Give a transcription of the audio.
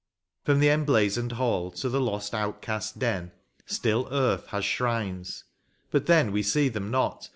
From the emblazoned hall to the lost outcast's den. Still earth has shrines, but then we see them not.